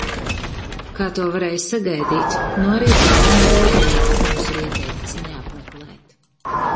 Kā to varēja sagaidīt, nu arī bērnu rotaļu laukumus ir ieteikts neapmeklēt.